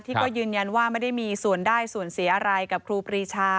ที่ก็ยืนยันว่าไม่ได้มีส่วนได้ส่วนเสียอะไรกับครูปรีชา